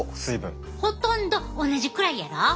ほとんど同じくらいやろ？